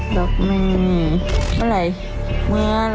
รักแม่